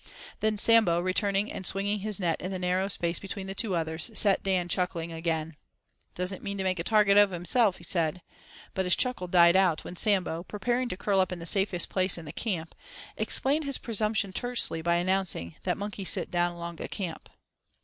Then Sambo returning and swinging his net in the narrow space between the two others, set Dan chuckling again. "Doesn't mean to make a target of himself," he said; but his chuckle died out when Sambo, preparing to curl up in the safest place in the camp, explained his presumption tersely by announcing that "Monkey sit down longa camp."